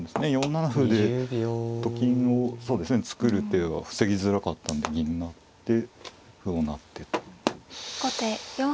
４七歩でと金をそうですね作る手は防ぎづらかったんで銀成って歩を成ってという。